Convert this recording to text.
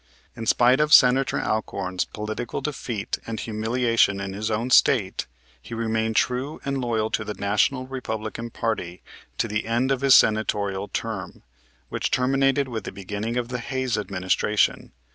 In spite of Senator Alcorn's political defeat and humiliation in his own State, he remained true and loyal to the National Republican party to the end of his Senatorial term, which terminated with the beginning of the Hayes Administration.